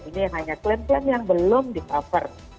ini hanya klaim klaim yang belum di cover